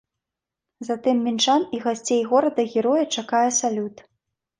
Затым мінчан і гасцей горада-героя чакае салют.